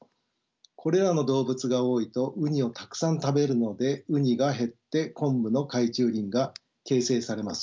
これらの動物が多いとウニをたくさん食べるのでウニが減ってコンブの海中林が形成されます。